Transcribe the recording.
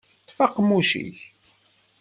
Ṭṭef aqemmuc-ik!